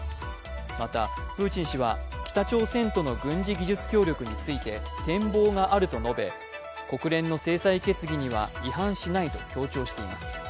また、プーチン氏は北朝鮮との軍事技術協力について展望があると述べ国連の制裁決議には違反しないと強調しています。